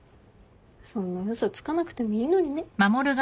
そんな嘘つかなくてもいいのにね。